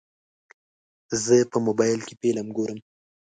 زه په موبایل کې فلم ګورم.